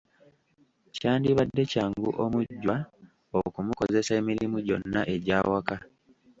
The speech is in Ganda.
Kyandibadde kyangu omujjwa okumukozesa emirimu gyonna egy’awaka.